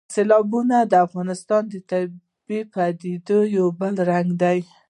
سیلابونه د افغانستان د طبیعي پدیدو یو بل رنګ دی.